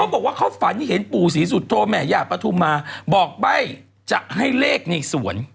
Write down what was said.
เขาบอกว่าเขาฝันให้เห็นปู่ศรีสุธโธแมหยะปทุมาบอกไปจะให้เลขในสวน